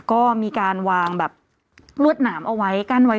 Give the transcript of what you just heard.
ก็มีการวางแบบรวดหนามเอาไว้กั้นไว้